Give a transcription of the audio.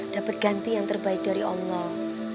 dapat ganti yang terbaik dari allah